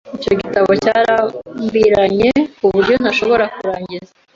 Icyo gitabo cyarambiranye kuburyo ntashobora kurangiza.